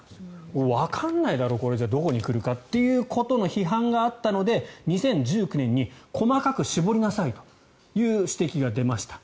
もうわからないだろ、これじゃどこに来るかっていう批判があったので２０１９年に細かく絞りなさいという指摘が出ました。